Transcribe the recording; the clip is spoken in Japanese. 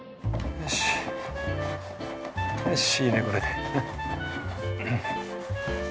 よしよしいいねこれで。